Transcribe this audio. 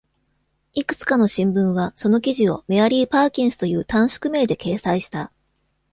いくつかの新聞はその記事をメアリー・パーキンスという短縮名で掲載した。